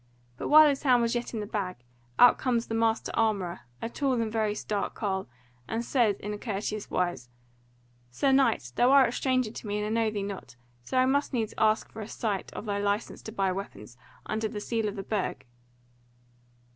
But while his hand was yet in the bag, out comes the master armourer, a tall and very stark carle, and said in courteous wise: "Sir Knight, thou art a stranger to me and I know thee not; so I must needs ask for a sight of thy license to buy weapons, under the seal of the Burg."